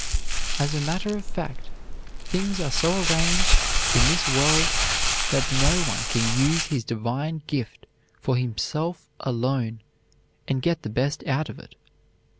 As a matter of fact, things are so arranged in this world that no one can use his divine gift for himself alone and get the best out of it.